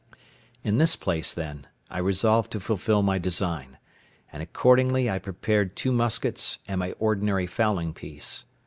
In this place, then, I resolved to fulfil my design; and accordingly I prepared two muskets and my ordinary fowling piece.